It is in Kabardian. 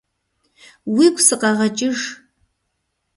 Уигу сыкъэгъэкӀыж.